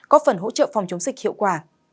có phần hỗ trợ phòng chống dịch hiệu quả